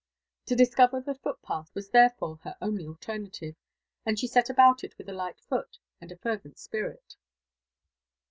To discover the footpath was there fore her only alternative, and die set about it with a light foot and a fervent spirit.